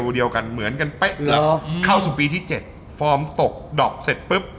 เดียวกันเหมือนกันไปเข้าสู่ปีที่๗ฟอร์มตกดอกเสร็จปุ๊บ